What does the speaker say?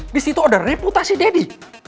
di situ ada reputasi deddy